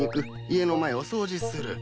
家の前を掃除する。